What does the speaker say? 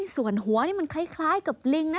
ส่วนหัวนี่มันคล้ายกับลิงนะ